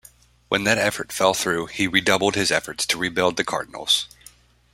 When that effort fell through, he redoubled his efforts to rebuild the Cardinals.